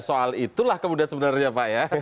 soal itulah kemudian sebenarnya pak ya